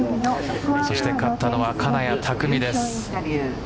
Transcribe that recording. そして勝ったのは金谷拓実です。